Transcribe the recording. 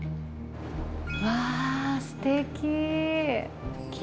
わー、すてき。